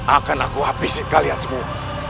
akan aku habis kalian semua